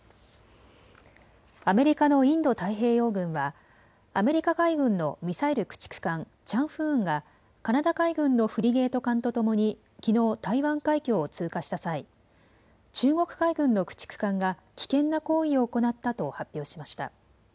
アメリカのインド太平洋軍はアメリカ海軍のミサイル駆逐艦、チャンフーンがカナダ海軍のフリゲート艦とともにきのう台湾海峡を通過した際、中国海軍の駆逐艦が危険な行為を行ったと発表しました。